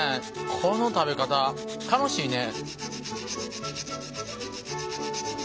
この食べ方楽しいね。